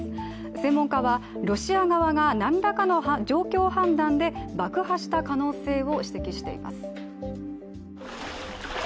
専門会はロシア側が何らかの状況判断で爆破した可能性を指摘しています。